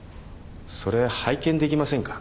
それ拝見できませんか？